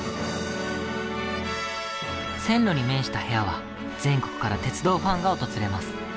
線路に面した部屋は全国から鉄道ファンが訪れます。